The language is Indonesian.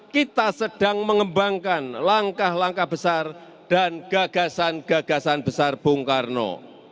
kita sedang mengembangkan langkah langkah besar dan gagasan gagasan besar bung karno